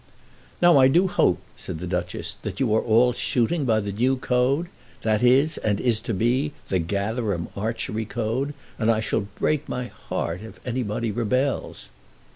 "Now I do hope," said the Duchess, "that you are all shooting by the new code. That is, and is to be, the Gatherum Archery Code, and I shall break my heart if anybody rebels."